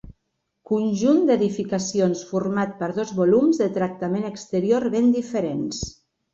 Conjunt d'edificacions format per dos volums de tractament exterior ben diferents.